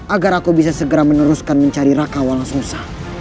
agar aku bisa segera meneruskan mencari raka walang sungsang